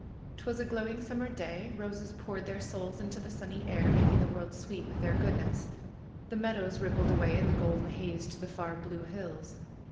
^Twas a glowing summer day. Roses poured their souls into the sunny air, making the world sweet with their goodness. The meadows rippled away in the golden haze to the far blue hills.